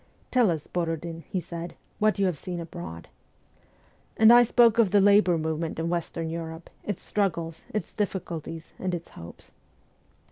' Tell us, Borodin,' he said, ' what you have seen abroad.' And I spoke of the labour movement in Western Europe, its struggles, its difficulties, and its hopes.